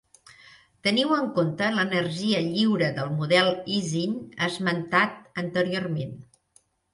Teniu en compte l'energia lliure del model Ising esmentat anteriorment.